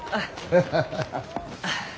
ハハハハ。